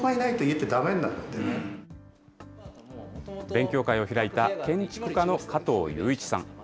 勉強会を開いた建築家の加藤優一さん。